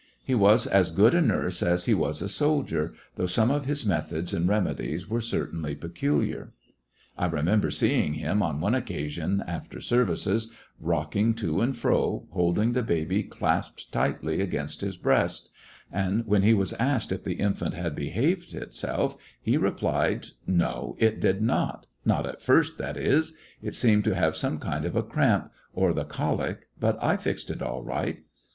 He was as good a nurse as he was a soldier, though some of his methods and remedies were certainly peculiar* I remember seeing him, on one occasion Gin for the after services, rocking to and fro, holding the baby clasped tightly against his breast j and when he was asked if the infant had behaved itself, he replied : *'NOj it did not— not at first^ that is. It seemed to have some kind of a cramp, or the colic J but I fixed it all right."